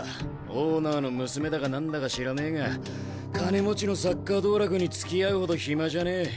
オーナーの娘だか何だか知らねえが金持ちのサッカー道楽につきあうほど暇じゃねえ。